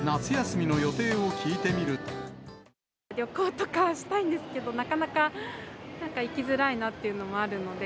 旅行とかしたいんですけど、なかなか行きづらいなっていうのもあるので。